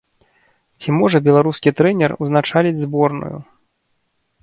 Ці можа беларускі трэнер ўзначаліць зборную?